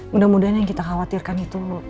mudah mudahan yang kita khawatirkan itu